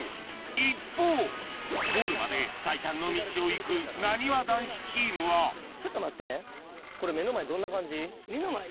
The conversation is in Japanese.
一方ゴールまで最短の道を行くなにわ男子チームはちょっと待ってこれ目の前どんな感じ？